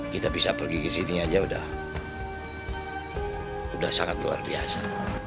kita bisa pergi kesini aja udah udah sangat luar biasa